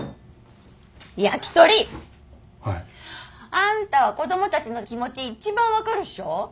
あんたは子供たちの気持ち一番分かるっしょ？